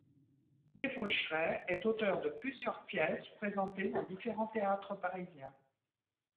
Desfaucherets est auteur de plusieurs pièces présentées dans différents théâtres parisiens.